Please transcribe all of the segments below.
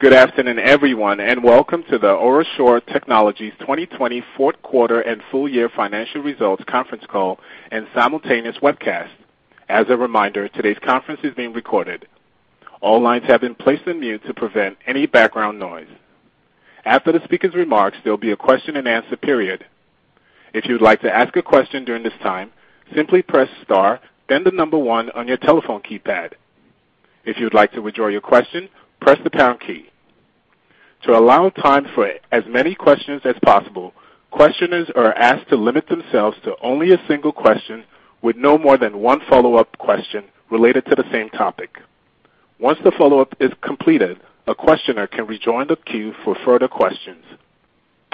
Good afternoon, everyone, welcome to the OraSure Technologies 2020 Q4 and full-year financial results conference call and simultaneous webcast. As a reminder, today's conference is being recorded. All lines have been placed on mute to prevent any background noise. After the speakers' remarks, there'll be a question and answer period. If you'd like to ask a question during this time, simply press star, then the number one on your telephone keypad. If you'd like to withdraw your question, press the pound key. To allow time for as many questions as possible, questioners are asked to limit themselves to only a single question with no more than one follow-up question related to the same topic. Once the follow-up is completed, a questioner can rejoin the queue for further questions.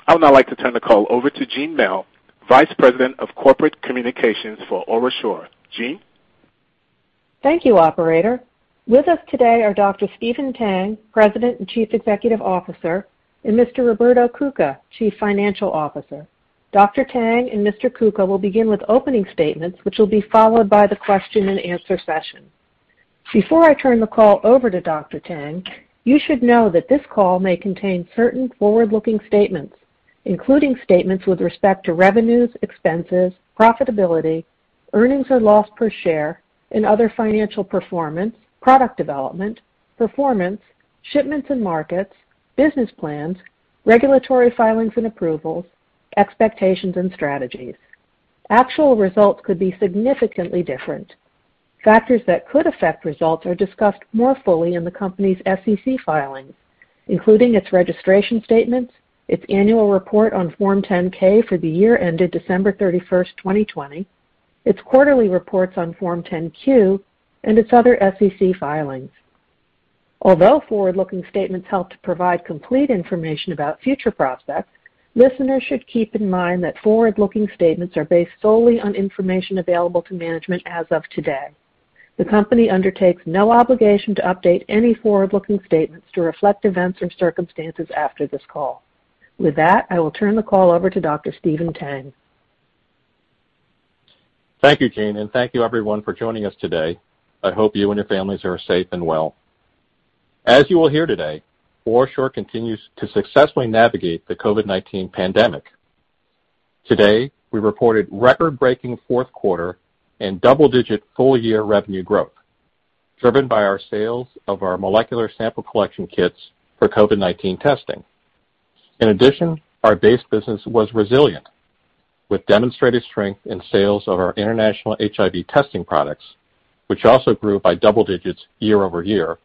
I would now like to turn the call over to Jeanne Mell, Vice President of Corporate Communications for OraSure. Jeanne? Thank you, operator. With us today are Dr. Stephen Tang, President and Chief Executive Officer, and Mr. Roberto Cuca, Chief Financial Officer. Dr. Tang and Mr. Cuca will begin with opening statements, which will be followed by the question and answer session. Before I turn the call over to Dr. Tang, you should know that this call may contain certain forward-looking statements, including statements with respect to revenues, expenses, profitability, earnings or loss per share, and other financial performance, product development, performance, shipments and markets, business plans, regulatory filings and approvals, expectations, and strategies. Actual results could be significantly different. Factors that could affect results are discussed more fully in the company's SEC filings, including its registration statements, its annual report on Form 10-K for the year ended December 31st, 2020, its quarterly reports on Form 10-Q, and its other SEC filings. Although forward-looking statements help to provide complete information about future prospects, listeners should keep in mind that forward-looking statements are based solely on information available to management as of today. The company undertakes no obligation to update any forward-looking statements to reflect events or circumstances after this call. With that, I will turn the call over to Dr. Stephen Tang. Thank you, Jeanne, and thank you everyone for joining us today. I hope you and your families are safe and well. As you will hear today, OraSure continues to successfully navigate the COVID-19 pandemic. Today, we reported record-breaking Q4 and double-digit full-year revenue growth, driven by our sales of our molecular sample collection kits for COVID-19 testing. In addition, our base business was resilient, with demonstrated strength in sales of our international HIV testing products, which also grew by double digits year-over-year,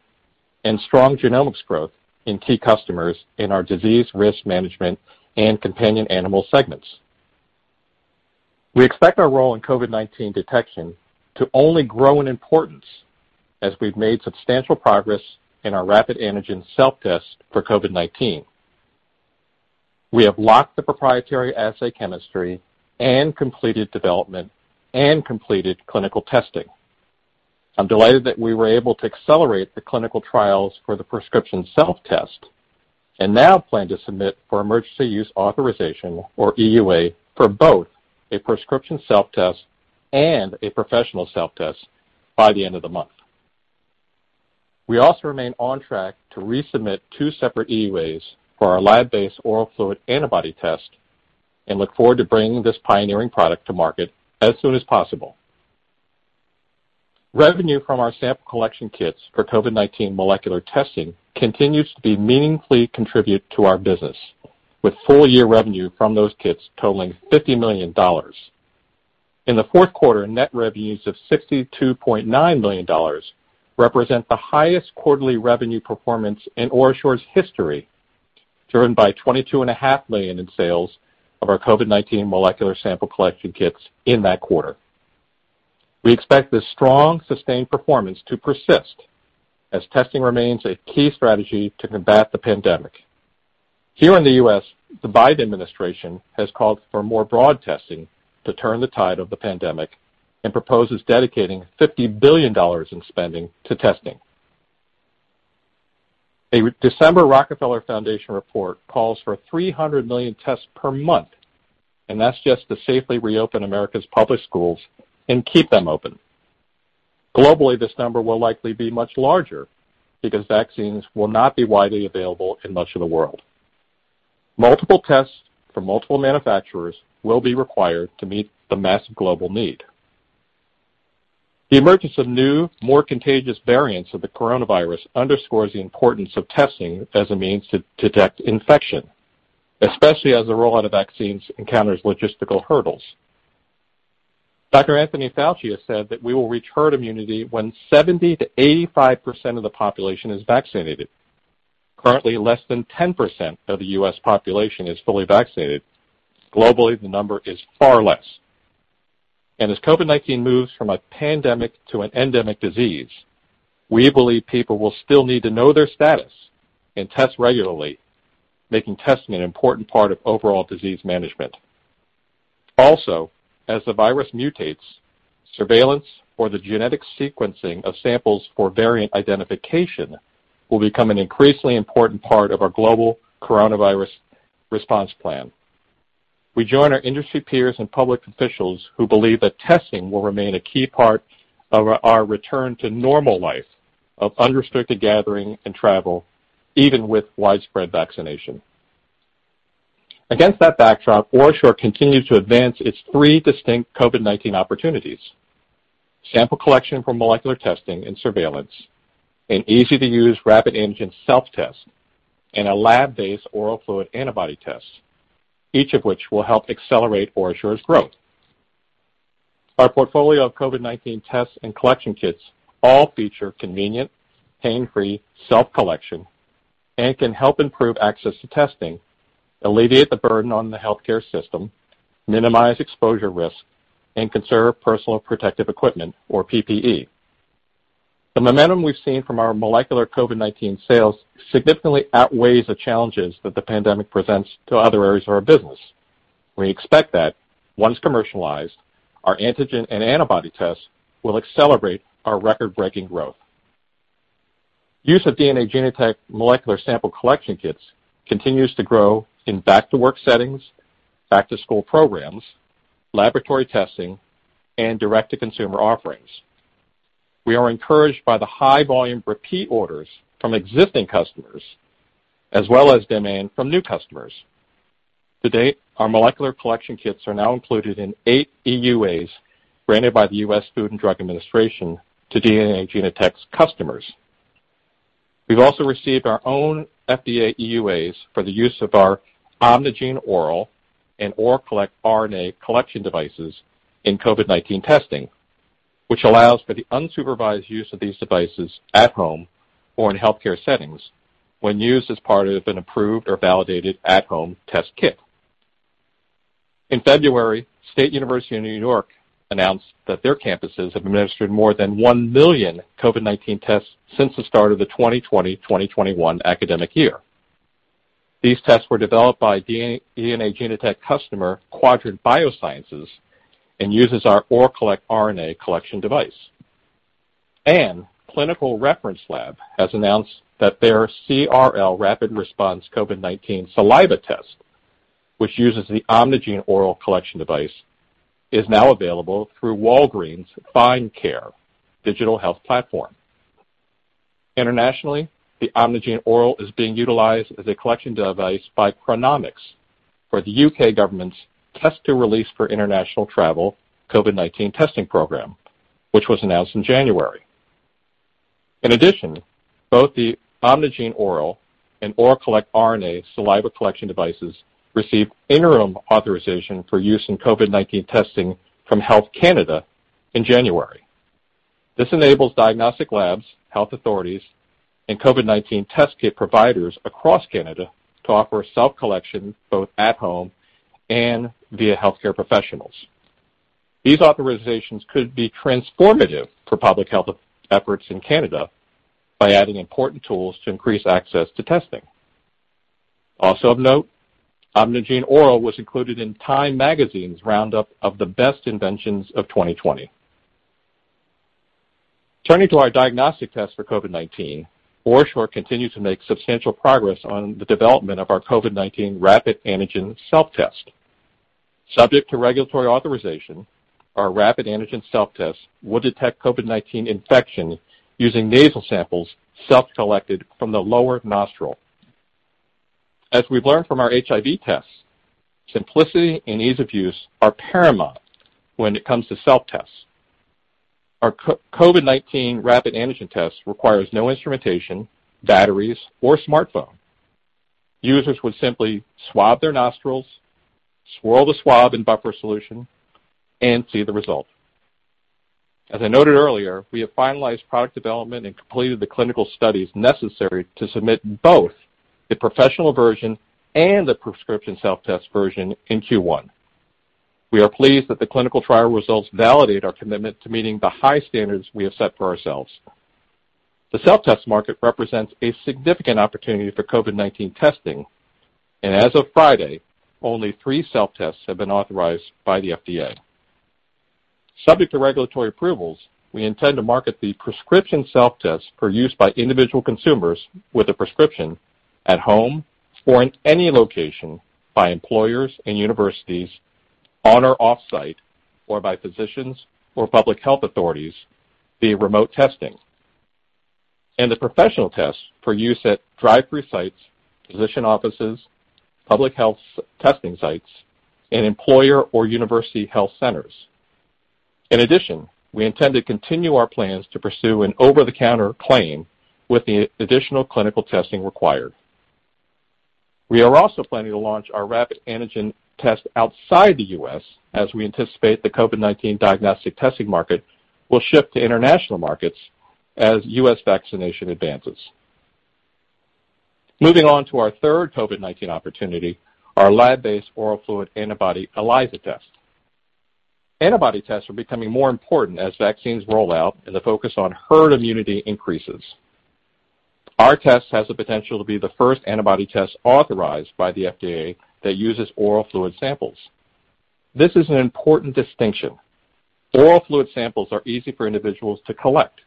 and strong genomics growth in key customers in our disease risk management and companion animal segments. We expect our role in COVID-19 detection to only grow in importance as we've made substantial progress in our rapid antigen self-test for COVID-19. We have locked the proprietary assay chemistry and completed development and completed clinical testing. I'm delighted that we were able to accelerate the clinical trials for the prescription self-test and now plan to submit for emergency use authorization, or EUA, for both a prescription self-test and a professional self-test by the end of the month. We also remain on track to resubmit two separate EUAs for our lab-based oral fluid antibody test and look forward to bringing this pioneering product to market as soon as possible. Revenue from our sample collection kits for COVID-19 molecular testing continues to be meaningfully contribute to our business, with full-year revenue from those kits totaling $50 million. In the Q4, net revenues of $62.9 million represent the highest quarterly revenue performance in OraSure's history, driven by $22.5 million in sales of our COVID-19 molecular sample collection kits in that quarter. We expect this strong, sustained performance to persist as testing remains a key strategy to combat the pandemic. Here in the U.S., the Biden administration has called for more broad testing to turn the tide of the pandemic and proposes dedicating $50 billion in spending to testing. A December The Rockefeller Foundation report calls for 300 million tests per month, that's just to safely reopen America's public schools and keep them open. Globally, this number will likely be much larger because vaccines will not be widely available in much of the world. Multiple tests from multiple manufacturers will be required to meet the mass global need. The emergence of new, more contagious variants of the coronavirus underscores the importance of testing as a means to detect infection, especially as the rollout of vaccines encounters logistical hurdles. Dr. Anthony Fauci has said that we will reach herd immunity when 70%-85% of the population is vaccinated. Currently, less than 10% of the U.S. population is fully vaccinated. Globally, the number is far less. As COVID-19 moves from a pandemic to an endemic disease, we believe people will still need to know their status and test regularly, making testing an important part of overall disease management. As the virus mutates, surveillance or the genetic sequencing of samples for variant identification will become an increasingly important part of our global coronavirus response plan. We join our industry peers and public officials who believe that testing will remain a key part of our return to normal life of unrestricted gathering and travel, even with widespread vaccination. Against that backdrop, OraSure continues to advance its three distinct COVID-19 opportunities, sample collection for molecular testing and surveillance, an easy-to-use rapid antigen self-test, and a lab-based oral fluid antibody test, each of which will help accelerate OraSure's growth. Our portfolio of COVID-19 tests and collection kits all feature convenient, pain-free self-collection and can help improve access to testing, alleviate the burden on the healthcare system, minimize exposure risk, and conserve personal protective equipment or PPE. The momentum we've seen from our molecular COVID-19 sales significantly outweighs the challenges that the pandemic presents to other areas of our business. We expect that once commercialized, our antigen and antibody tests will accelerate our record-breaking growth. Use of DNA Genotek molecular sample collection kits continues to grow in back-to-work settings, back-to-school programs, laboratory testing, and direct-to-consumer offerings. We are encouraged by the high volume repeat orders from existing customers as well as demand from new customers. To date, our molecular collection kits are now included in eight EUAs granted by the U.S. Food and Drug Administration to DNA Genotek's customers. We've also received our own FDA EUAs for the use of our OMNIgene•ORAL and ORAcollect•RNA collection devices in COVID-19 testing, which allows for the unsupervised use of these devices at home or in healthcare settings when used as part of an approved or validated at-home test kit. In February, State University of New York announced that their campuses have administered more than 1 million COVID-19 tests since the start of the 2020-2021 academic year. These tests were developed by DNA Genotek customer Quadrant Biosciences and uses our ORAcollect•RNA collection device. Clinical Reference Lab has announced that their CRL Rapid Response COVID-19 saliva test, which uses the OMNIgene•ORAL collection device, is now available through Walgreens Find Care digital health platform. Internationally, the OMNIgene•ORAL is being utilized as a collection device by Chronomics for the U.K. government's Test to Release for International Travel COVID-19 testing program, which was announced in January. In addition, both the OMNIgene•ORAL and ORAcollect•RNA saliva collection devices received interim authorization for use in COVID-19 testing from Health Canada in January. This enables diagnostic labs, health authorities, and COVID-19 test kit providers across Canada to offer self-collection both at home and via healthcare professionals. These authorizations could be transformative for public health efforts in Canada by adding important tools to increase access to testing. Also of note, OMNIgene•ORAL was included in Time magazine's roundup of the best inventions of 2020. Turning to our diagnostic test for COVID-19, OraSure continues to make substantial progress on the development of our COVID-19 rapid antigen self-test. Subject to regulatory authorization, our rapid antigen self-test will detect COVID-19 infection using nasal samples self-collected from the lower nostril. As we've learned from our HIV tests, simplicity and ease of use are paramount when it comes to self-tests. Our COVID-19 rapid antigen test requires no instrumentation, batteries, or smartphone. Users would simply swab their nostrils, swirl the swab in buffer solution, and see the result. As I noted earlier, we have finalized product development and completed the clinical studies necessary to submit both the professional version and the prescription self-test version in Q1. We are pleased that the clinical trial results validate our commitment to meeting the high standards we have set for ourselves. The self-test market represents a significant opportunity for COVID-19 testing. As of Friday, only three self-tests have been authorized by the FDA. Subject to regulatory approvals, we intend to market the prescription self-test for use by individual consumers with a prescription at home or in any location by employers and universities on or off-site, or by physicians or public health authorities via remote testing. The professional test for use at drive-through sites, physician offices, public health testing sites, and employer or university health centers. In addition, we intend to continue our plans to pursue an over-the-counter claim with the additional clinical testing required. We are also planning to launch our rapid antigen test outside the U.S. as we anticipate the COVID-19 diagnostic testing market will shift to international markets as U.S. vaccination advances. Moving on to our third COVID-19 opportunity, our lab-based oral fluid antibody ELISA test. Antibody tests are becoming more important as vaccines roll out and the focus on herd immunity increases. Our test has the potential to be the first antibody test authorized by the FDA that uses oral fluid samples. This is an important distinction. Oral fluid samples are easy for individuals to collect.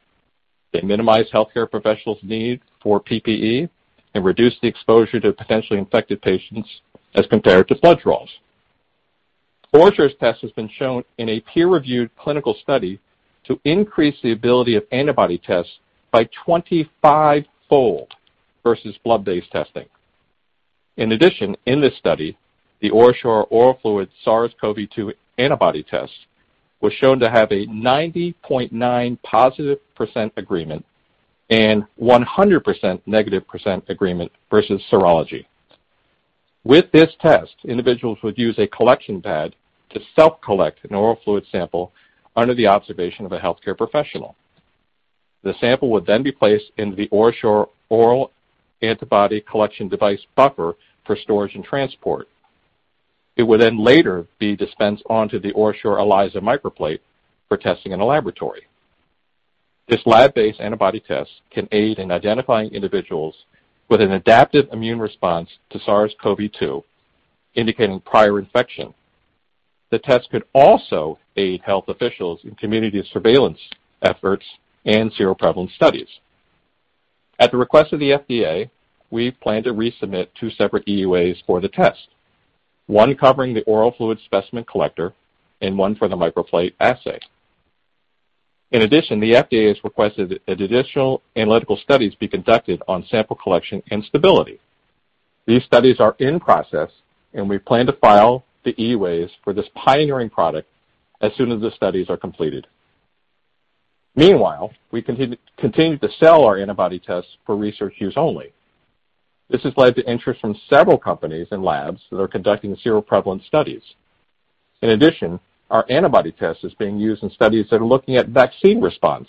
They minimize healthcare professionals' need for PPE and reduce the exposure to potentially infected patients as compared to blood draws. OraSure's test has been shown in a peer-reviewed clinical study to increase the ability of antibody tests by 25-fold versus blood-based testing. In addition, in this study, the OraSure oral fluid SARS-CoV-2 antibody test was shown to have a 90.9% positive percent agreement and 100% negative percent agreement versus serology. With this test, individuals would use a collection pad to self-collect an oral fluid sample under the observation of a healthcare professional. The sample would then be placed in the OraSure oral antibody collection device buffer for storage and transport. It would then later be dispensed onto the OraSure ELISA microplate for testing in a laboratory. This lab-based antibody test can aid in identifying individuals with an adaptive immune response to SARS-CoV-2, indicating prior infection. The test could also aid health officials in community surveillance efforts and seroprevalence studies. At the request of the FDA, we plan to resubmit two separate EUAs for the test, one covering the oral fluid specimen collector and one for the microplate assay. In addition, the FDA has requested that additional analytical studies be conducted on sample collection and stability. These studies are in process, and we plan to file the EUAs for this pioneering product as soon as the studies are completed. Meanwhile, we continue to sell our antibody tests for research use only. This has led to interest from several companies and labs that are conducting seroprevalence studies. In addition, our antibody test is being used in studies that are looking at vaccine response.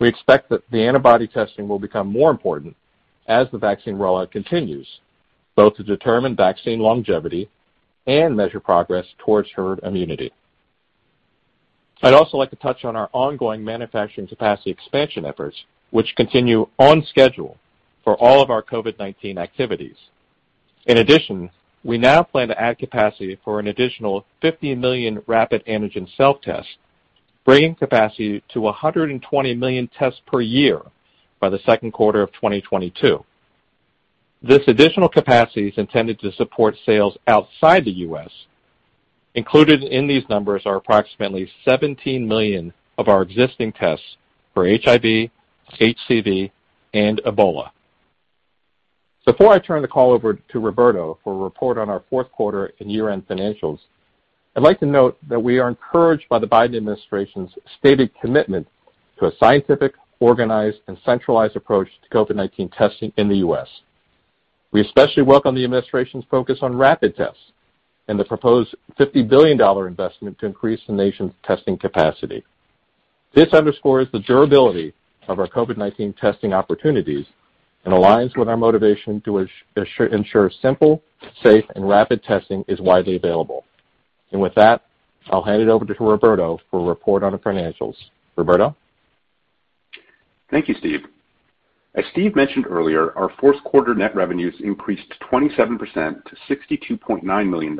We expect that the antibody testing will become more important as the vaccine rollout continues, both to determine vaccine longevity and measure progress towards herd immunity. I'd also like to touch on our ongoing manufacturing capacity expansion efforts, which continue on schedule for all of our COVID-19 activities. In addition, we now plan to add capacity for an additional 50 million rapid antigen self-tests, bringing capacity to 120 million tests per year by the Q2 of 2022. This additional capacity is intended to support sales outside the U.S. Included in these numbers are approximately 17 million of our existing tests for HIV, HCV, and Ebola. Before I turn the call over to Roberto for a report on our fourth quarter and year-end financials, I'd like to note that we are encouraged by the Biden administration's stated commitment to a scientific, organized, and centralized approach to COVID-19 testing in the U.S. We especially welcome the administration's focus on rapid tests and the proposed $50 billion investment to increase the nation's testing capacity. This underscores the durability of our COVID-19 testing opportunities and aligns with our motivation to ensure simple, safe, and rapid testing is widely available. With that, I'll hand it over to Roberto for a report on the financials. Roberto? Thank you, Steve. As Steve mentioned earlier, our Q4 net revenues increased 27% to $62.9 million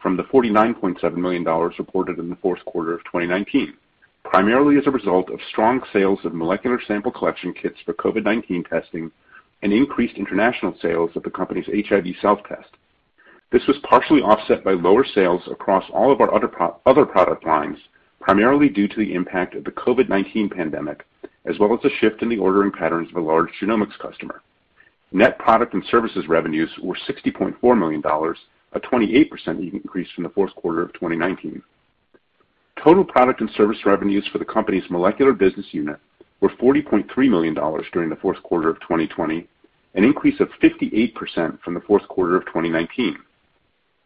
from the $49.7 million reported in the Q4 of 2019, primarily as a result of strong sales of molecular sample collection kits for COVID-19 testing and increased international sales of the company's HIV self-test. This was partially offset by lower sales across all of our other product lines, primarily due to the impact of the COVID-19 pandemic, as well as a shift in the ordering patterns of a large genomics customer. Net product and services revenues were $60.4 million, a 28% increase from the Q4 of 2019. Total product and service revenues for the company's molecular business unit were $40.3 million during the Q4 of 2020, an increase of 58% from the Q4 of 2019.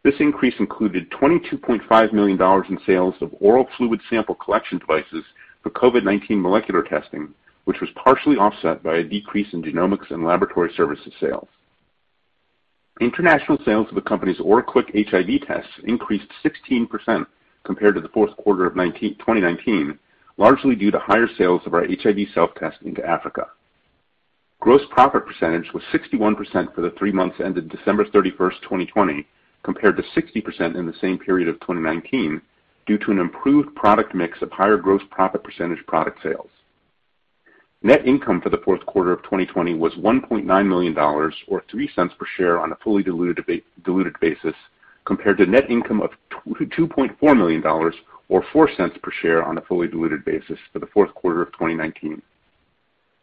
This increase included $22.5 million in sales of oral fluid sample collection devices for COVID-19 molecular testing, which was partially offset by a decrease in genomics and laboratory services sales. International sales of the company's OraQuick HIV tests increased 16% compared to the Q4 of 2019, largely due to higher sales of our HIV self-test into Africa. Gross profit percentage was 61% for the three months ended December 31st, 2020, compared to 60% in the same period of 2019, due to an improved product mix of higher gross profit percentage product sales. Net income for the Q4 of 2020 was $1.9 million, or $0.03 per share on a fully diluted basis, compared to net income of $2.4 million or $0.04 per share on a fully diluted basis for the Q4 of 2019.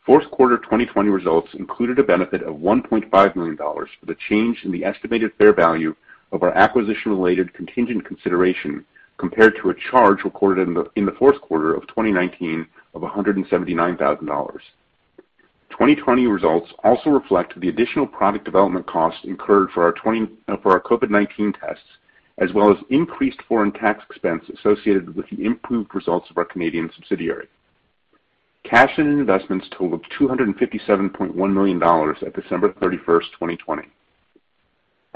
Q4 2020 results included a benefit of $1.5 million for the change in the estimated fair value of our acquisition-related contingent consideration, compared to a charge recorded in the Q4 of 2019 of $179,000. 2020 results also reflect the additional product development costs incurred for our COVID-19 tests, as well as increased foreign tax expense associated with the improved results of our Canadian subsidiary. Cash and investments totaled $257.1 million at December 31st, 2020.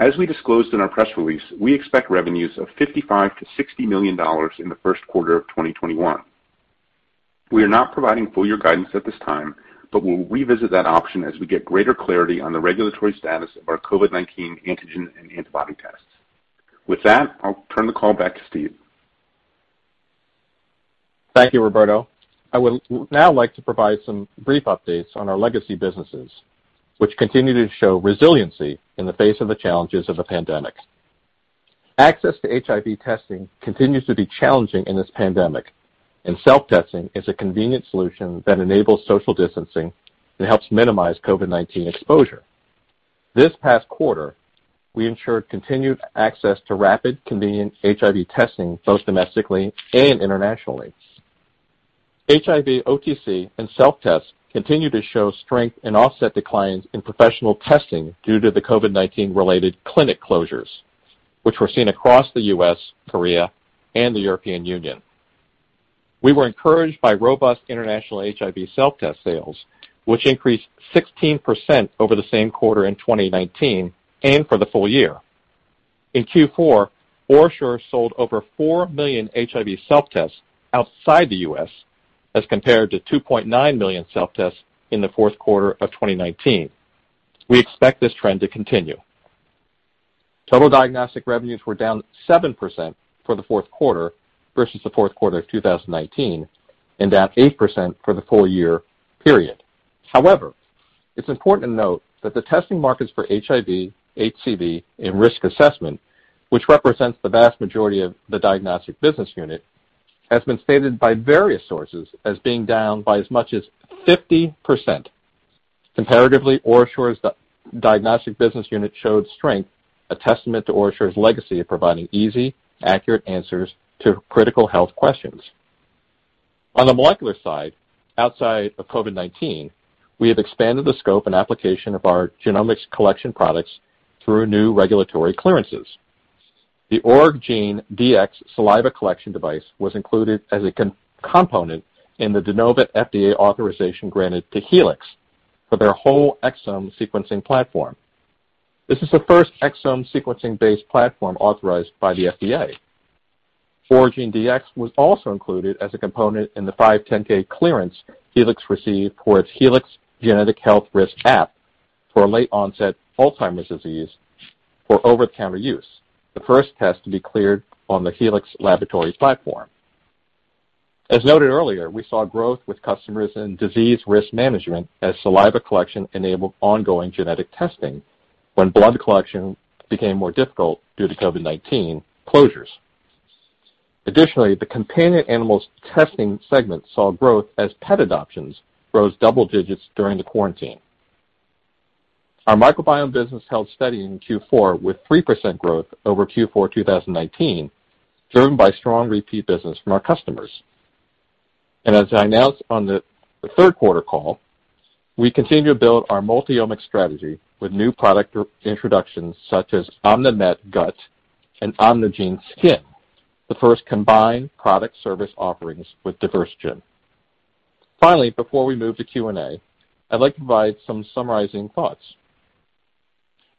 As we disclosed in our press release, we expect revenues of $55 million-$60 million in the Q1 of 2021. We are not providing full year guidance at this time, but we'll revisit that option as we get greater clarity on the regulatory status of our COVID-19 antigen and antibody tests. With that, I'll turn the call back to Steve. Thank you, Roberto. I would now like to provide some brief updates on our legacy businesses, which continue to show resiliency in the face of the challenges of the pandemic. Access to HIV testing continues to be challenging in this pandemic, and self-testing is a convenient solution that enables social distancing and helps minimize COVID-19 exposure. This past quarter, we ensured continued access to rapid, convenient HIV testing, both domestically and internationally. HIV OTC and self-tests continue to show strength and offset declines in professional testing due to the COVID-19 related clinic closures, which were seen across the U.S., Korea, and the European Union. We were encouraged by robust international HIV self-test sales, which increased 16% over the same quarter in 2019 and for the full year. In Q4, OraSure sold over 4 million HIV self-tests outside the U.S., as compared to 2.9 million self-tests in the Q4 of 2019. We expect this trend to continue. Total diagnostic revenues were down seven percent for the Q4 versus the fourth quarter of 2019, and down eight percent for the full-year period. It's important to note that the testing markets for HIV, HCV, and risk assessment, which represents the vast majority of the diagnostic business unit, has been stated by various sources as being down by as much as 50%. OraSure's diagnostic business unit showed strength, a testament to OraSure's legacy of providing easy, accurate answers to critical health questions. On the molecular side, outside of COVID-19, we have expanded the scope and application of our genomics collection products through new regulatory clearances. The Oragene•Dx saliva collection device was included as a component in the de novo FDA authorization granted to Helix for their whole exome sequencing platform. This is the first exome sequencing-based platform authorized by the FDA. Oragene•Dx was also included as a component in the 510 clearance Helix received for its Helix Genetic Health Risk App for late onset Alzheimer's disease for over-the-counter use, the first test to be cleared on the Helix laboratory platform. As noted earlier, we saw growth with customers in disease risk management as saliva collection enabled ongoing genetic testing when blood collection became more difficult due to COVID-19 closures. Additionally, the companion animals testing segment saw growth as pet adoptions rose double digits during the quarantine. Our microbiome business held steady in Q4 with three percent growth over Q4 2019, driven by strong repeat business from our customers. As I announced on the Q3 call, we continue to build our multi-omics strategy with new product introductions such as OMNImet•GUT and OMNIgene•SKIN, the first combined product service offerings with Diversigen. Finally, before we move to Q&A, I'd like to provide some summarizing thoughts.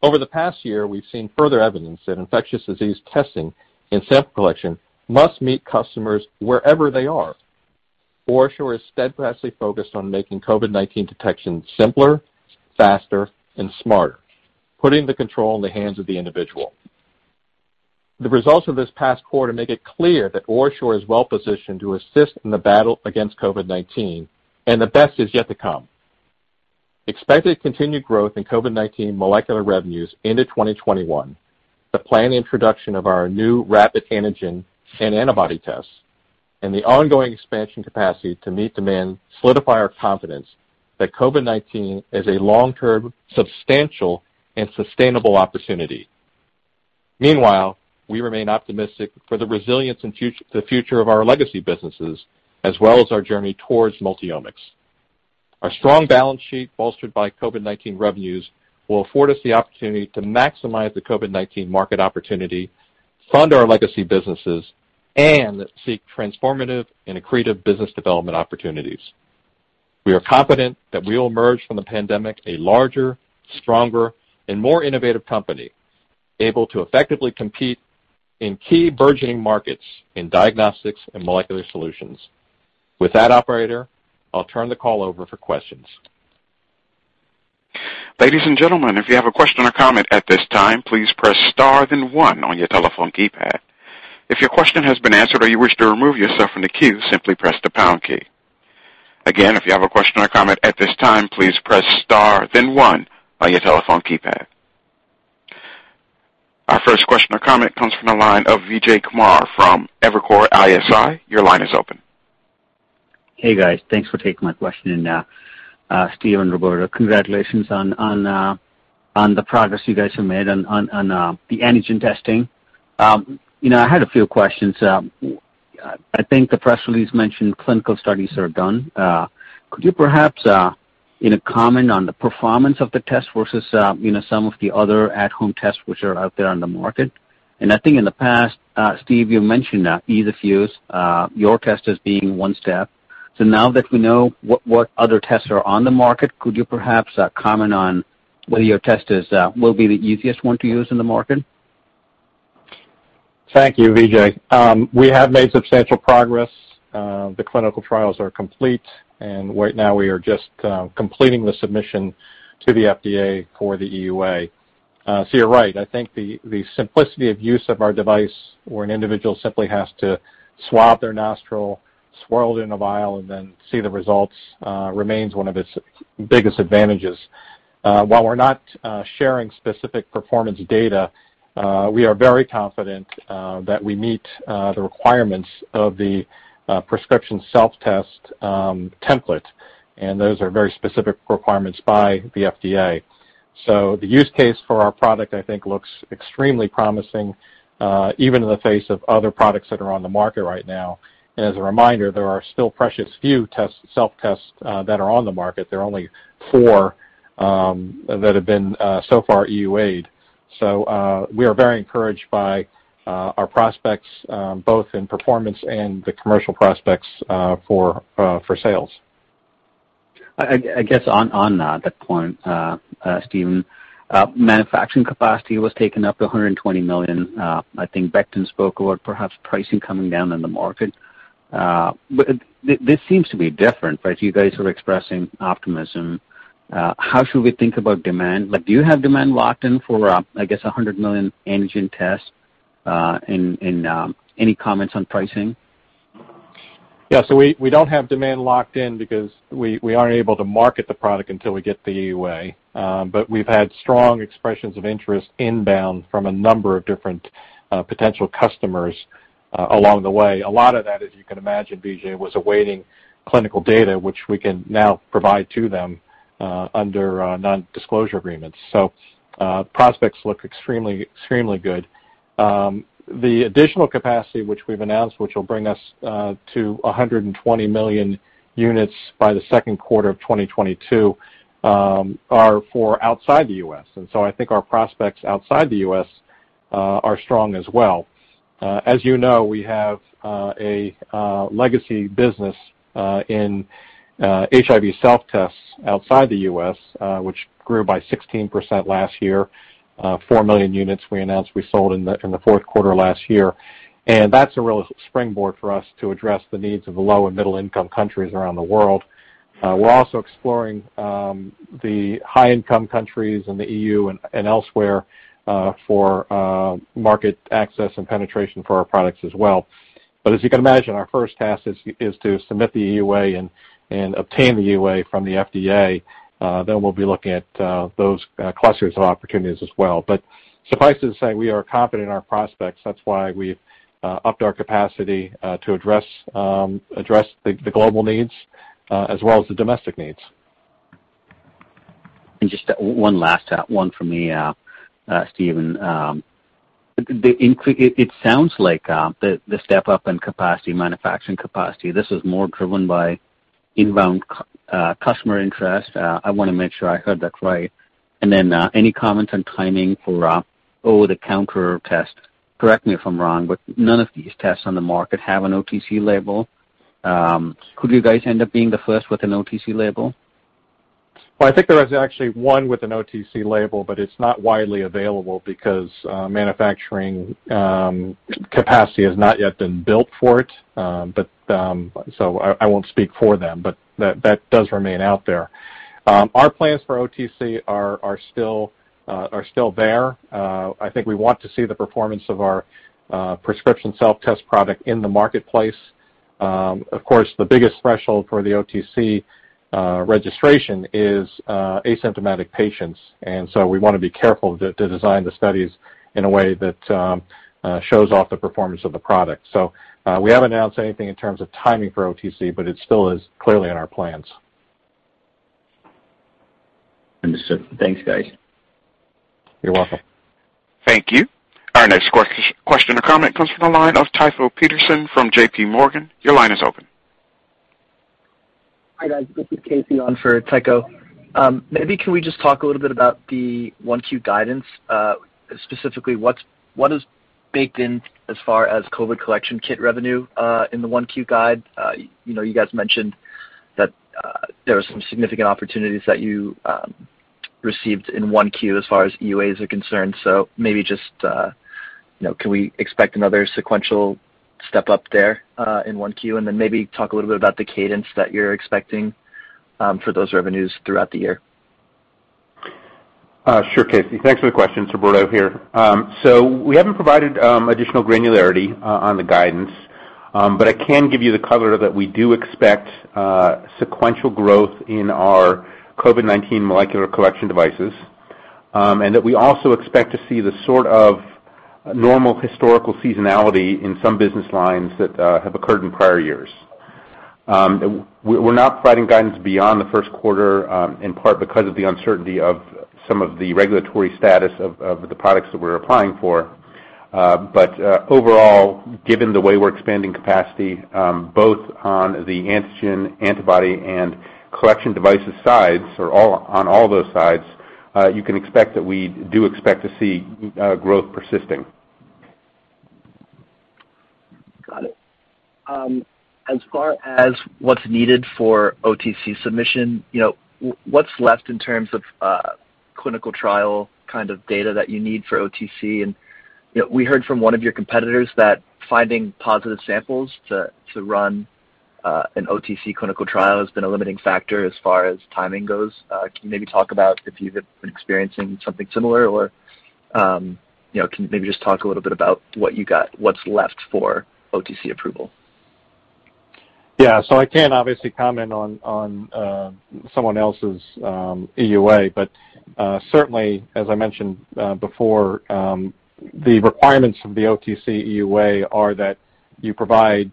Over the past year, we've seen further evidence that infectious disease testing and sample collection must meet customers wherever they are. OraSure is steadfastly focused on making COVID-19 detection simpler, faster, and smarter, putting the control in the hands of the individual. The results of this past quarter make it clear that OraSure is well-positioned to assist in the battle against COVID-19, and the best is yet to come. Expected continued growth in COVID-19 molecular revenues into 2021, the planned introduction of our new rapid antigen and antibody tests, and the ongoing expansion capacity to meet demand solidify our confidence that COVID-19 is a long-term, substantial, and sustainable opportunity. Meanwhile, we remain optimistic for the resilience and the future of our legacy businesses, as well as our journey towards multi-omics. Our strong balance sheet, bolstered by COVID-19 revenues, will afford us the opportunity to maximize the COVID-19 market opportunity, fund our legacy businesses, and seek transformative and accretive business development opportunities. We are confident that we will emerge from the pandemic a larger, stronger, and more innovative company, able to effectively compete in key burgeoning markets in diagnostics and molecular solutions. With that, operator, I'll turn the call over for questions. Our first question or comment comes from the line of Vijay Kumar from Evercore ISI. Your line is open. Hey, guys. Thanks for taking my question. Steve and Roberto, congratulations on the progress you guys have made on the antigen testing. I had a few questions. I think the press release mentioned clinical studies that are done. Could you perhaps comment on the performance of the test versus some of the other at-home tests which are out there on the market? I think in the past, Steve, you mentioned easy to use, your test as being one step. Now that we know what other tests are on the market, could you perhaps comment on whether your test will be the easiest one to use in the market? Thank you, Vijay. We have made substantial progress. The clinical trials are complete, and right now we are just completing the submission to the FDA for the EUA. You're right, I think the simplicity of use of our device, where an individual simply has to swab their nostril, swirl it in a vial, and then see the results, remains one of its biggest advantages. While we're not sharing specific performance data, we are very confident that we meet the requirements of the prescription self-test template, and those are very specific requirements by the FDA. The use case for our product, I think, looks extremely promising, even in the face of other products that are on the market right now. As a reminder, there are still precious few self-tests that are on the market. There are only four that have been so far EUA'd. We are very encouraged by our prospects, both in performance and the commercial prospects for sales. I guess on that point, Stephen, manufacturing capacity was taken up to 120 million. I think Becton spoke about perhaps pricing coming down in the market. This seems to be different, right? You guys are expressing optimism. How should we think about demand? Do you have demand locked in for, I guess, 100 million antigen tests? Any comments on pricing? We don't have demand locked in because we aren't able to market the product until we get the EUA. We've had strong expressions of interest inbound from a number of different potential customers along the way. A lot of that, as you can imagine, Vijay, was awaiting clinical data, which we can now provide to them under non-disclosure agreements. Prospects look extremely good. The additional capacity which we've announced, which will bring us to 120 million units by the Q2 of 2022, are for outside the U.S. I think our prospects outside the U.S. are strong as well. As you know, we have a legacy business in HIV self-tests outside the U.S., which grew by 16% last year. 4 million units we announced we sold in the fourth quarter last year. That's a real springboard for us to address the needs of the low and middle-income countries around the world. We're also exploring the high-income countries and the EU and elsewhere, for market access and penetration for our products as well. As you can imagine, our first task is to submit the EUA and obtain the EUA from the FDA. We'll be looking at those clusters of opportunities as well. Suffice it to say, we are confident in our prospects. That's why we've upped our capacity, to address the global needs, as well as the domestic needs. Just one last one from me, Stephen. It sounds like the step-up in capacity, manufacturing capacity, this was more driven by inbound customer interest. I want to make sure I heard that right. Then, any comments on timing for over-the-counter test? Correct me if I'm wrong, but none of these tests on the market have an OTC label. Could you guys end up being the first with an OTC label? I think there is actually one with an OTC label, but it's not widely available because manufacturing capacity has not yet been built for it. I won't speak for them, but that does remain out there. Our plans for OTC are still there. I think we want to see the performance of our prescription self-test product in the marketplace. Of course, the biggest threshold for the OTC registration is asymptomatic patients. We want to be careful to design the studies in a way that shows off the performance of the product. We haven't announced anything in terms of timing for OTC, but it still is clearly in our plans. Understood. Thanks, guys. You're welcome. Thank you. Our next question or comment comes from the line of Tycho Peterson from J.P. Morgan. Your line is open. Hi, guys. This is Casey on for Tycho. Can we just talk a little bit about the 1Q guidance, specifically what is baked in as far as COVID collection kit revenue, in the 1Q guide? You guys mentioned that there are some significant opportunities that you received in 1Q as far as EUAs are concerned. Maybe just, Can we expect another sequential step up there, in 1Q? Maybe talk a little bit about the cadence that you're expecting for those revenues throughout the year. Sure, Casey. Thanks for the question. It's Roberto here. We haven't provided additional granularity on the guidance. I can give you the color that we do expect sequential growth in our COVID-19 molecular collection devices, and that we also expect to see the sort of normal historical seasonality in some business lines that have occurred in prior years. We're not providing guidance beyond the first quarter, in part because of the uncertainty of some of the regulatory status of the products that we're applying for. Overall, given the way we're expanding capacity, both on the antigen, antibody, and collection devices sides, or on all those sides, you can expect that we do expect to see growth persisting. Got it. As far as what's needed for OTC submission, what's left in terms of clinical trial kind of data that you need for OTC? We heard from one of your competitors that finding positive samples to run an OTC clinical trial has been a limiting factor as far as timing goes. Can you maybe talk about if you've been experiencing something similar, or can you maybe just talk a little bit about what you got, what's left for OTC approval? Yeah. I can't obviously comment on someone else's EUA, but certainly, as I mentioned before, the requirements of the OTC EUA are that you provide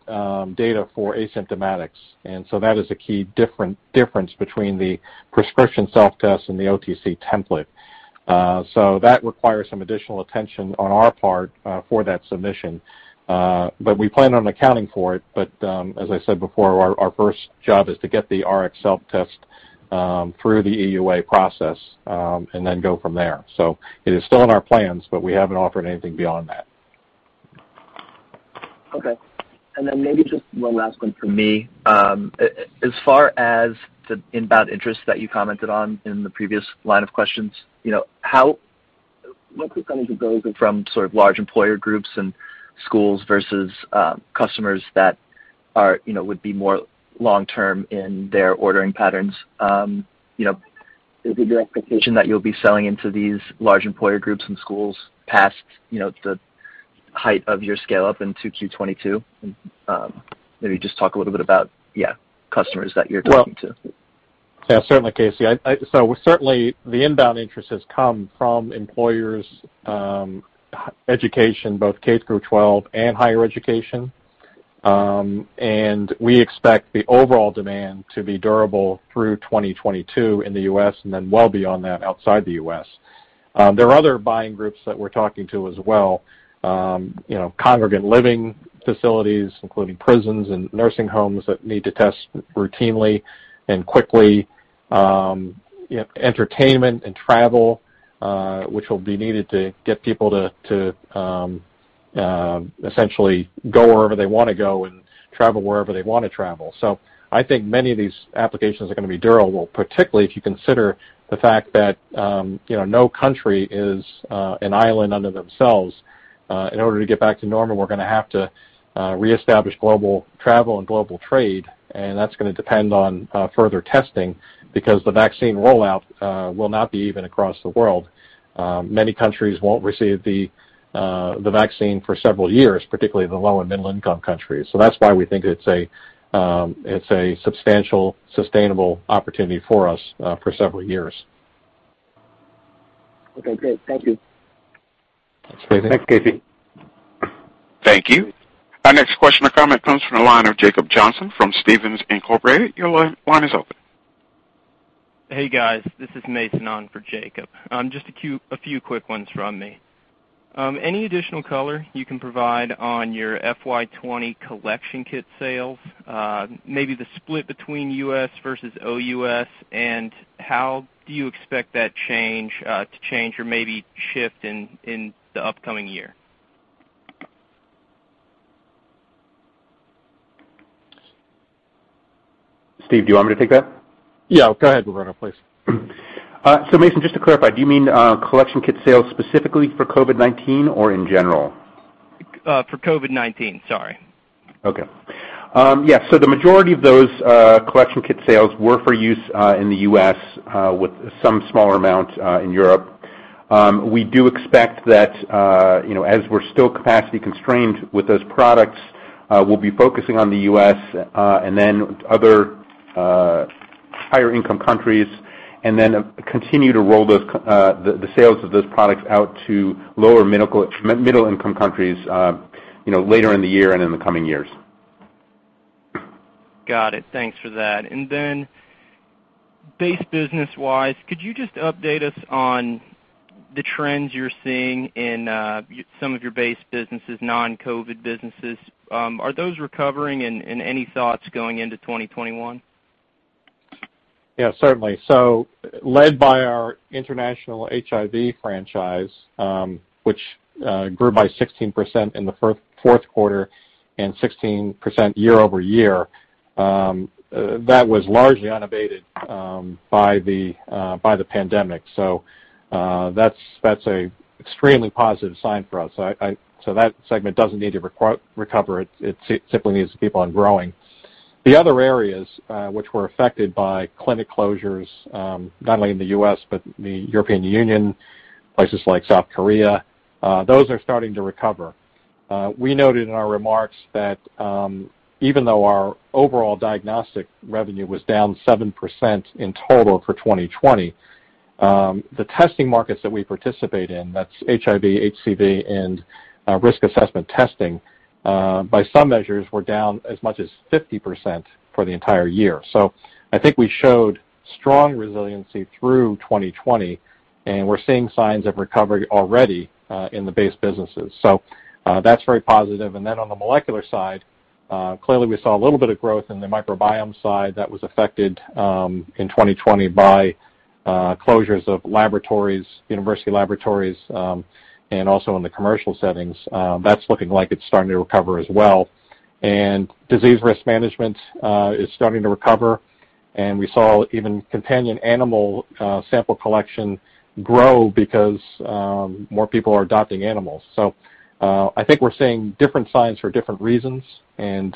data for asymptomatics. That is a key difference between the prescription self-test and the OTC template. That requires some additional attention on our part for that submission. We plan on accounting for it, but as I said before, our first job is to get the Rx self-test through the EUA process, and then go from there. It is still in our plans, but we haven't offered anything beyond that. Okay. Maybe just one last one from me. As far as the inbound interest that you commented on in the previous line of questions, most of it comes from sort of large employer groups and schools versus customers that would be more long-term in their ordering patterns. Is it your expectation that you'll be selling into these large employer groups and schools past the height of your scale-up into Q22? Maybe just talk a little bit about, yeah, customers that you're talking to. Certainly, Casey. Certainly the inbound interest has come from employers, education, both K-12 and higher education. We expect the overall demand to be durable through 2022 in the U.S., and then well beyond that outside the U.S. There are other buying groups that we're talking to as well, congregant living facilities, including prisons and nursing homes that need to test routinely and quickly, entertainment and travel, which will be needed to get people to essentially go wherever they want to go and travel wherever they want to travel. I think many of these applications are going to be durable, particularly if you consider the fact that no country is an island unto themselves. In order to get back to normal, we're going to have to reestablish global travel and global trade, and that's going to depend on further testing because the vaccine rollout will not be even across the world. Many countries won't receive the vaccine for several years, particularly the low and middle-income countries. That's why we think it's a substantial, sustainable opportunity for us, for several years. Okay, great. Thank you. Stay safe. Thanks, Casey. Thank you. Our next question or comment comes from the line of Jacob Johnson from Stephens Inc. Your line is open. Hey, guys. This is Mason on for Jacob. Just a few quick ones from me. Any additional color you can provide on your FY 2020 collection kit sales, maybe the split between U.S. versus OUS, how do you expect that to change or maybe shift in the upcoming year? Steve, do you want me to take that? Yeah. Go ahead, Bruno, please. Mason, just to clarify, do you mean collection kit sales specifically for COVID-19 or in general? For COVID-19, sorry. Okay. Yeah, the majority of those collection kit sales were for use in the U.S. with some smaller amount in Europe. We do expect that as we're still capacity constrained with those products, we'll be focusing on the U.S. and other higher income countries and continue to roll the sales of those products out to lower middle-income countries later in the year and in the coming years. Got it. Thanks for that. Base business-wise, could you just update us on the trends you're seeing in some of your base businesses, non-COVID businesses? Are those recovering, and any thoughts going into 2021? Yeah, certainly. Led by our international HIV franchise, which grew by 16% in the Q4 and 16% year-over-year. That was largely unabated by the pandemic. That's an extremely positive sign for us. That segment doesn't need to recover. It simply needs to keep on growing. The other areas, which were affected by clinic closures, not only in the U.S., but the European Union, places like South Korea, those are starting to recover. We noted in our remarks that even though our overall diagnostic revenue was down seven percent in total for 2020, the testing markets that we participate in, that's HIV, HCV, and risk assessment testing, by some measures, were down as much as 50% for the entire year. I think we showed strong resiliency through 2020, and we're seeing signs of recovery already in the base businesses. That's very positive. On the molecular side. Clearly, we saw a little bit of growth in the microbiome side that was affected in 2020 by closures of university laboratories and also in the commercial settings. That's looking like it's starting to recover as well. Disease risk management is starting to recover, and we saw even companion animal sample collection grow because more people are adopting animals. I think we're seeing different signs for different reasons, and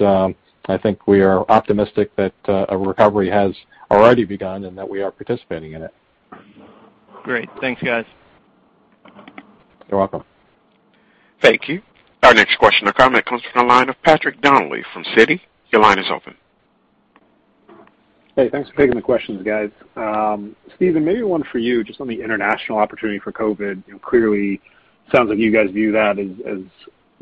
I think we are optimistic that a recovery has already begun and that we are participating in it. Great. Thanks, guys. You're welcome. Thank you. Our next question or comment comes from the line of Patrick Donnelly from Citi. Your line is open. Hey, thanks for taking the questions, guys. Stephen, maybe one for you, just on the international opportunity for COVID-19. Sounds like you guys view that as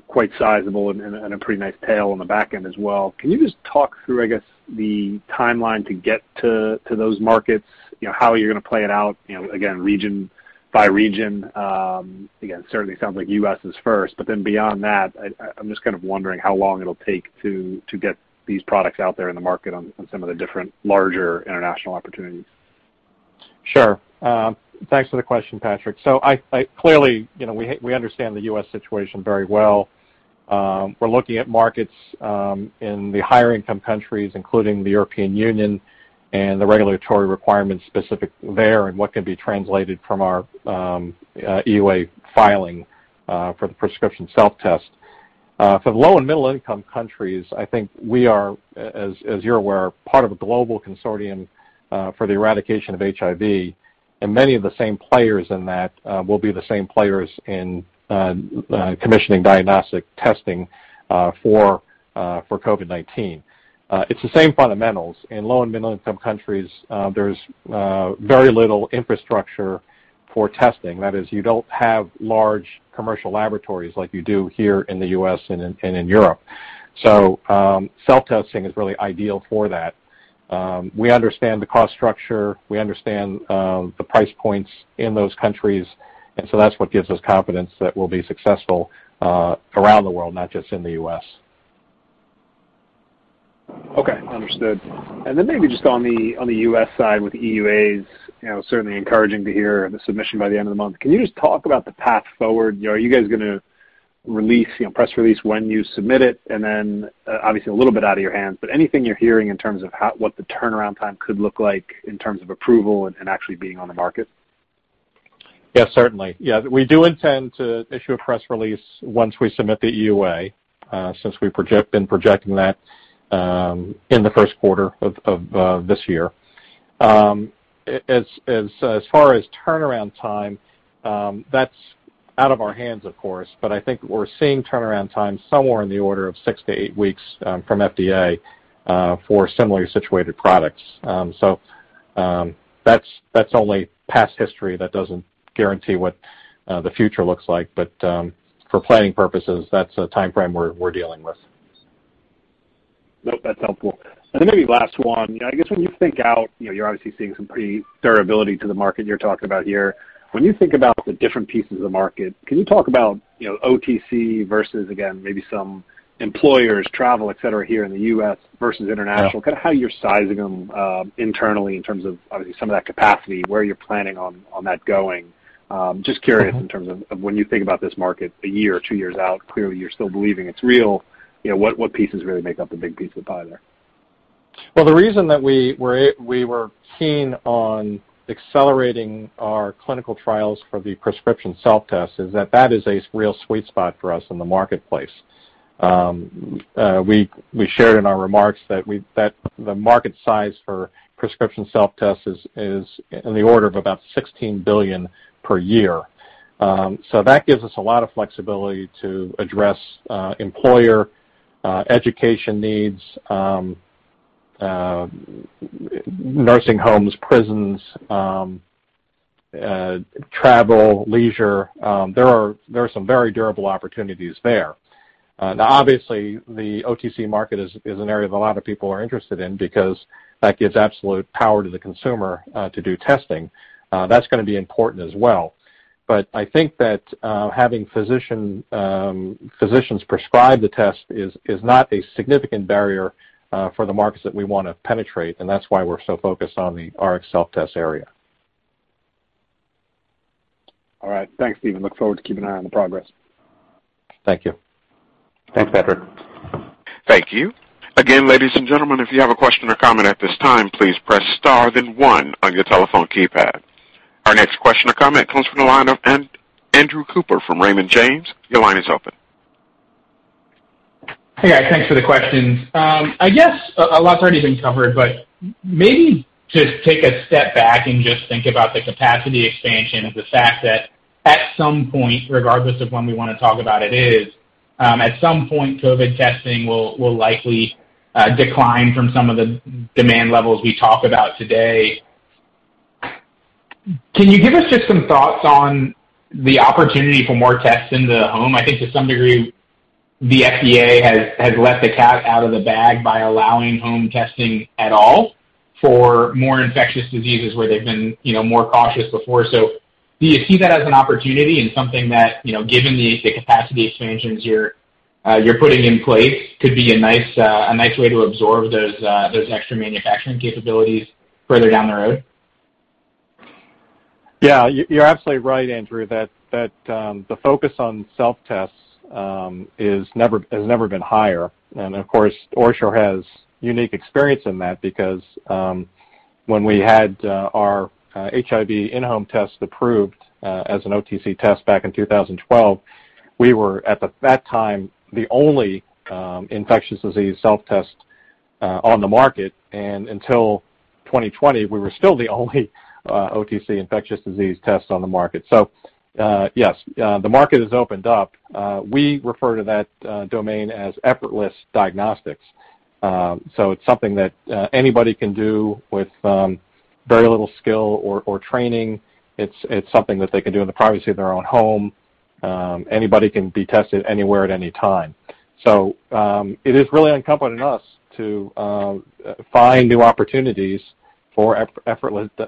quite sizable and a pretty nice tail on the back end as well. Can you just talk through, I guess, the timeline to get to those markets, how you're going to play it out, again, region by region? Certainly sounds like U.S. is first, beyond that, I'm just kind of wondering how long it'll take to get these products out there in the market on some of the different larger international opportunities. Sure. Thanks for the question, Patrick. Clearly, we understand the U.S. situation very well. We're looking at markets in the higher income countries, including the European Union, and the regulatory requirements specific there and what can be translated from our EUA filing for the prescription self-test. For the low and middle income countries, I think we are, as you're aware, part of a global consortium for the eradication of HIV, and many of the same players in that will be the same players in commissioning diagnostic testing for COVID-19. It's the same fundamentals. In low and middle income countries, there's very little infrastructure for testing. That is, you don't have large commercial laboratories like you do here in the U.S. and in Europe. Self-testing is really ideal for that. We understand the cost structure. We understand the price points in those countries, and so that's what gives us confidence that we'll be successful around the world, not just in the U.S. Okay. Understood. Maybe just on the U.S. side with EUAs, certainly encouraging to hear the submission by the end of the month. Can you just talk about the path forward? Are you guys going to press release when you submit it? Obviously a little bit out of your hands, but anything you're hearing in terms of what the turnaround time could look like in terms of approval and actually being on the market? Yes, certainly. We do intend to issue a press release once we submit the EUA, since we've been projecting that in the Q1 of this year. As far as turnaround time, that's out of our hands, of course, but I think we're seeing turnaround time somewhere in the order of six - eight weeks from FDA for similarly situated products. That's only past history. That doesn't guarantee what the future looks like. For planning purposes, that's the timeframe we're dealing with. Nope, that's helpful. Maybe last one. I guess when you think out, you're obviously seeing some pretty durability to the market you're talking about here. When you think about the different pieces of the market, can you talk about OTC versus, again, maybe some employers, travel, et cetera, here in the U.S. versus international, kind of how you're sizing them internally in terms of obviously some of that capacity, where you're planning on that going. Just curious in terms of when you think about this market one year or two years out, clearly, you're still believing it's real. What pieces really make up the big piece of the pie there? Well, the reason that we were keen on accelerating our clinical trials for the prescription self-test is that that is a real sweet spot for us in the marketplace. We shared in our remarks that the market size for prescription self-test is in the order of about $16 billion per year. That gives us a lot of flexibility to address employer education needs, nursing homes, prisons, travel, leisure. There are some very durable opportunities there. Obviously, the OTC market is an area that a lot of people are interested in because that gives absolute power to the consumer to do testing. That's going to be important as well. I think that having physicians prescribe the test is not a significant barrier for the markets that we want to penetrate, and that's why we're so focused on the RX self-test area. All right. Thanks, Steven. Look forward to keeping an eye on the progress. Thank you. Thanks, Patrick. Thank you. Ladies and gentlemen, if you have a question or comment at this time, please press star then one on your telephone keypad. Our next question or comment comes from the line of Andrew Cooper from Raymond James. Your line is open. Hey, guys, thanks for the questions. I guess a lot's already been covered, maybe just take a step back and just think about the capacity expansion of the fact that at some point, regardless of when we want to talk about it, at some point, COVID-19 testing will likely decline from some of the demand levels we talk about today. Can you give us just some thoughts on the opportunity for more tests in the home? I think to some degree, the FDA has let the cat out of the bag by allowing home testing at all. For more infectious diseases where they've been more cautious before. Do you see that as an opportunity and something that, given the capacity expansions you're putting in place, could be a nice way to absorb those extra manufacturing capabilities further down the road? Yeah, you're absolutely right, Andrew, that the focus on self-tests has never been higher. Of course, OraSure has unique experience in that because when we had our HIV in-home test approved as an OTC test back in 2012, we were, at that time, the only infectious disease self-test on the market. Until 2020, we were still the only OTC infectious disease test on the market. Yes, the market has opened up. We refer to that domain as effortless diagnostics. It's something that anybody can do with very little skill or training. It's something that they can do in the privacy of their own home. Anybody can be tested anywhere at any time. It is really incumbent on us to find new opportunities for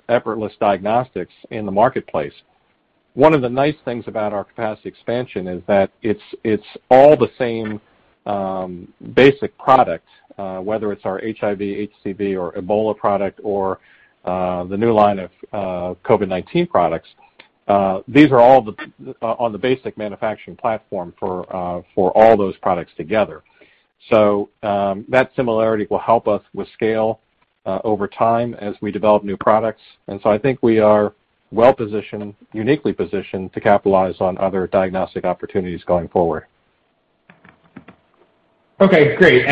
effortless diagnostics in the marketplace. One of the nice things about our capacity expansion is that it's all the same basic product, whether it's our HIV, HCV or Ebola product or the new line of COVID-19 products. These are all on the basic manufacturing platform for all those products together. That similarity will help us with scale over time as we develop new products. I think we are well-positioned, uniquely positioned, to capitalize on other diagnostic opportunities going forward. Okay, great.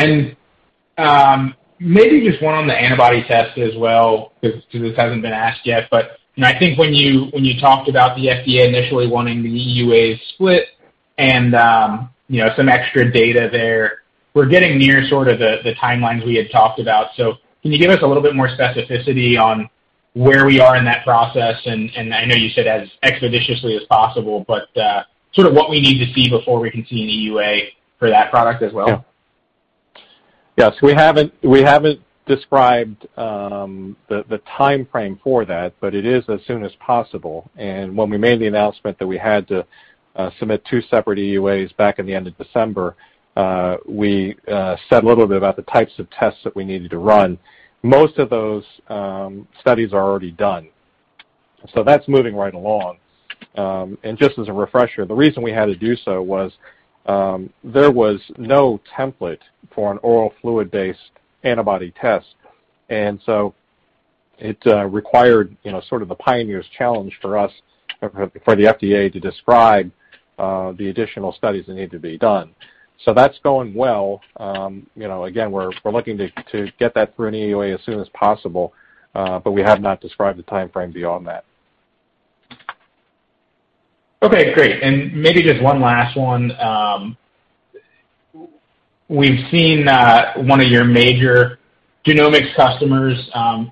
Maybe just one on the antibody test as well, because this hasn't been asked yet, I think when you talked about the FDA initially wanting the EUAs split and some extra data there, we're getting near sort of the timelines we had talked about. Can you give us a little bit more specificity on where we are in that process? I know you said as expeditiously as possible, but sort of what we need to see before we can see an EUA for that product as well? Yes, we haven't described the timeframe for that, but it is as soon as possible. When we made the announcement that we had to submit two separate EUAs back in the end of December, we said a little bit about the types of tests that we needed to run. Most of those studies are already done, so that's moving right along. Just as a refresher, the reason we had to do so was there was no template for an oral fluid-based antibody test. It required sort of the pioneer's challenge for us, for the FDA to describe the additional studies that need to be done. That's going well. Again, we're looking to get that through an EUA as soon as possible, but we have not described the timeframe beyond that. Okay, great. Maybe just one last one. We've seen one of your major genomics customers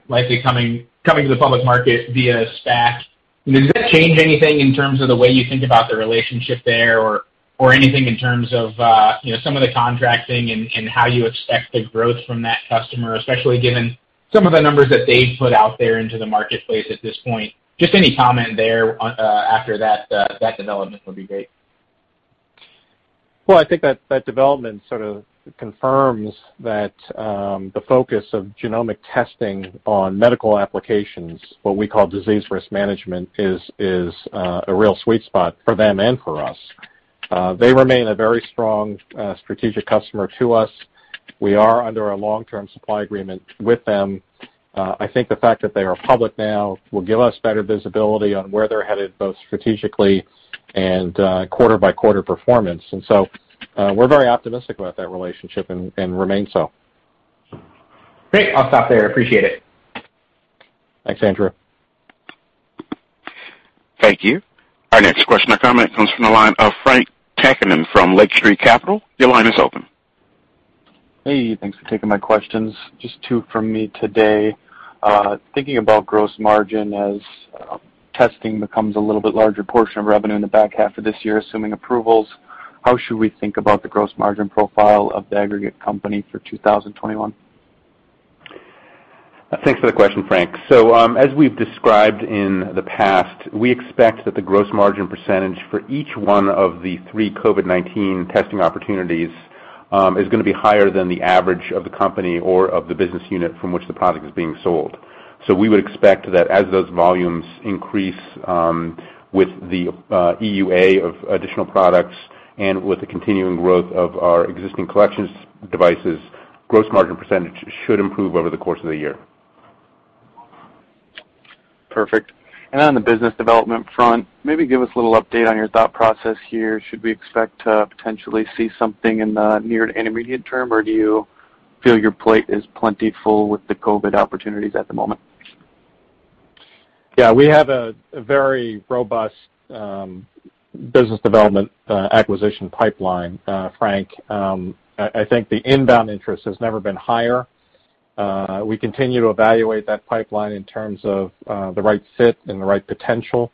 likely coming to the public market via a SPAC. Does that change anything in terms of the way you think about the relationship there or anything in terms of some of the contracting and how you expect the growth from that customer, especially given some of the numbers that they've put out there into the marketplace at this point? Just any comment there after that development would be great. Well, I think that development sort of confirms that the focus of genomic testing on medical applications, what we call disease risk management, is a real sweet spot for them and for us. They remain a very strong strategic customer to us. We are under a long-term supply agreement with them. I think the fact that they are public now will give us better visibility on where they're headed, both strategically and quarter-by-quarter performance. We're very optimistic about that relationship and remain so. Great. I'll stop there. Appreciate it. Thanks, Andrew. Thank you. Our next question or comment comes from the line of Frank Takkinen from Lake Street Capital. Your line is open. Hey, thanks for taking my questions. Just two from me today. Thinking about gross margin as testing becomes a little bit larger portion of revenue in the back half of this year, assuming approvals, how should we think about the gross margin profile of the aggregate company for 2021? Thanks for the question, Frank. As we've described in the past, we expect that the gross margin percentage for each one of the three COVID-19 testing opportunities, is going to be higher than the average of the company or of the business unit from which the product is being sold. We would expect that as those volumes increase with the EUA of additional products and with the continuing growth of our existing collections devices, gross margin percentage should improve over the course of the year. Perfect. On the business development front, maybe give us a little update on your thought process here. Should we expect to potentially see something in the near to intermediate term, or do you feel your plate is plenty full with the COVID opportunities at the moment? Yeah, we have a very robust business development acquisition pipeline, Frank. I think the inbound interest has never been higher. We continue to evaluate that pipeline in terms of the right fit and the right potential.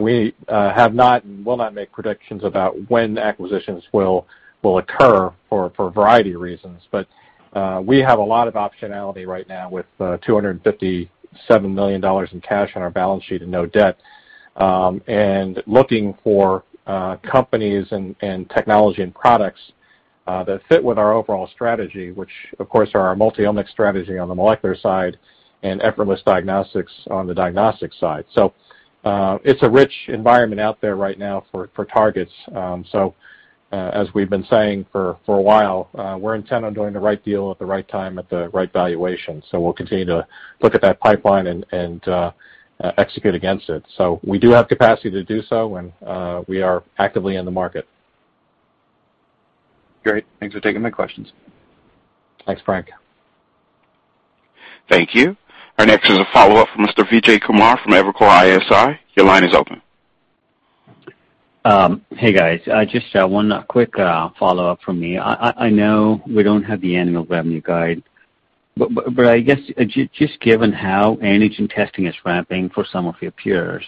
We have not and will not make predictions about when acquisitions will occur for a variety of reasons. We have a lot of optionality right now with $257 million in cash on our balance sheet and no debt, and looking for companies and technology and products that fit with our overall strategy, which, of course, are our multiomic strategy on the molecular side and effortless diagnostics on the diagnostic side. It's a rich environment out there right now for targets. As we've been saying for a while, we're intent on doing the right deal at the right time at the right valuation. We'll continue to look at that pipeline and execute against it. We do have capacity to do so, and we are actively in the market. Great. Thanks for taking my questions. Thanks, Frank. Thank you. Our next is a follow-up from Mr. Vijay Kumar from Evercore ISI. Your line is open. Hey, guys. Just one quick follow-up from me. I know we don't have the annual revenue guide, I guess, just given how antigen testing is ramping for some of your peers,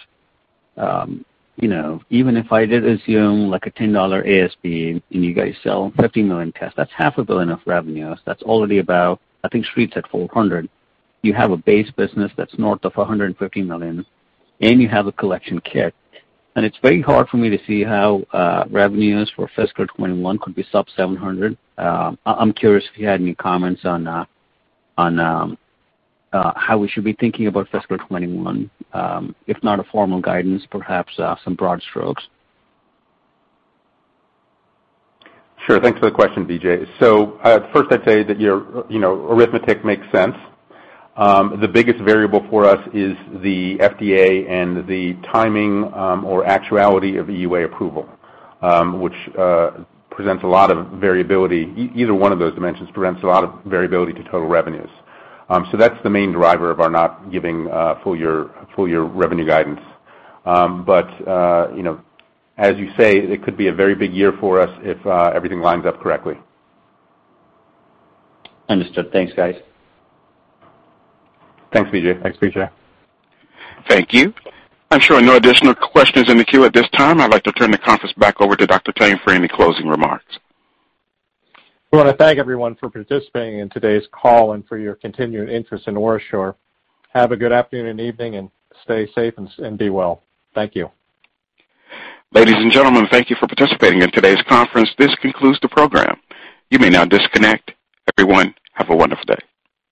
even if I did assume like a $10 ASP and you guys sell 50 million tests, that's half a billion of revenues. That's already about, I think, streets at $400 million. You have a base business that's north of $150 million, you have a collection kit. It's very hard for me to see how revenues for fiscal 2021 could be sub $700 million. I'm curious if you had any comments on how we should be thinking about fiscal 2021. If not a formal guidance, perhaps some broad strokes. Sure. Thanks for the question, Vijay. First, I'd say that your arithmetic makes sense. The biggest variable for us is the FDA and the timing or actuality of EUA approval, which presents a lot of variability. Either one of those dimensions presents a lot of variability to total revenues. That's the main driver of our not giving full year revenue guidance. As you say, it could be a very big year for us if everything lines up correctly. Understood. Thanks, guys. Thanks, Vijay. Thanks, Vijay. Thank you. I'm showing no additional questions in the queue at this time. I'd like to turn the conference back over to Dr. Tang for any closing remarks. We want to thank everyone for participating in today's call and for your continued interest in OraSure. Have a good afternoon and evening, and stay safe and be well. Thank you. Ladies and gentlemen, thank you for participating in today's conference. This concludes the program. You may now disconnect. Everyone, have a wonderful day.